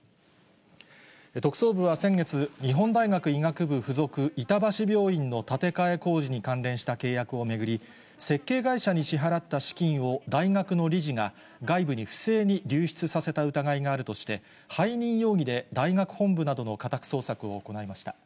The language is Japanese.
特捜部は先月、日本大学医学部付属板橋病院の建て替え工事に関連した契約を巡り、設計会社に支払った資金を大学の理事が、外部に不正に流出させた疑いがあるとして、背任容疑で大学本部などの家宅捜索を行いました。